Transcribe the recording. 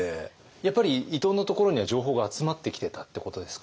やっぱり伊藤のところには情報が集まってきてたってことですか。